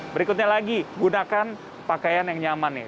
berikutnya lagi gunakan pakaian yang nyaman nih